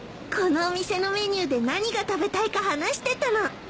このお店のメニューで何が食べたいか話してたの。